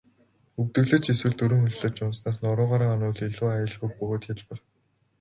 Өвдөглөж эсвэл дөрвөн хөллөж унаснаас нуруугаараа унавал илүү аюулгүй бөгөөд хялбар.